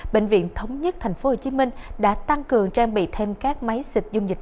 bệnh viện thống nhất thành phố hồ chí minh đã tăng cường trang bị thêm các máy xịt dung dịch